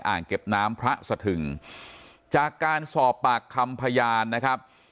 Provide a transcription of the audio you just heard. อ่างเก็บน้ำพระสถึงจากการสอบปากคำพยานนะครับ